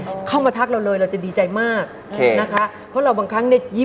โอเคเขาขอให้เราอยู่เฉยของเรามั้ง